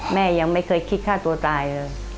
แม่ยังไม่เคยคิดฆ่าตัวตายเลย